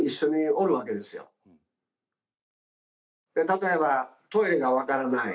例えばトイレが分からない。